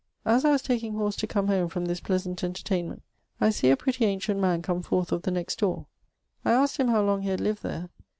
As I was taking horse to come home from this pleasant entertainment, I see a pretty ancient man come forth of the next doore. I asked him how long he had lived there.